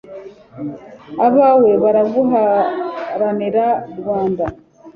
abawe baraguharanira rwanda